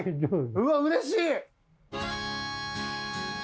うわうれしい！